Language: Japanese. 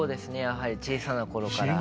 やはり小さな頃から。